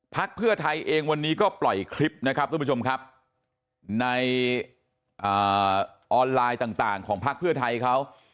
เพื่อไทยเองวันนี้ก็ปล่อยคลิปนะครับทุกผู้ชมครับในออนไลน์ต่างของพักเพื่อไทยเขา